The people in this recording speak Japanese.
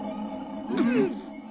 うん。